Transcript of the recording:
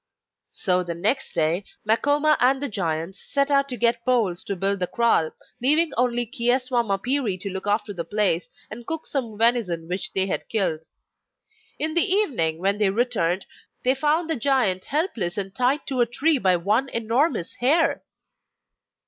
So the next day Makoma and the giants set out to get poles to build the kraal, leaving only Chi eswa mapiri to look after the place and cook some venison which they had killed. In the evening, when they returned, they found the giant helpless and tied to a tree by one enormous hair!